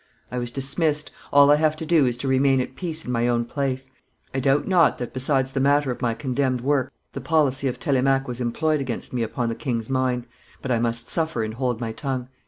I was dismissed; all I have to do is to remain at peace in my own place. I doubt not that, besides the matter of my condemned work, the policy of Telemaque was employed against me upon the king's mind; but I must suffer and hold my tongue."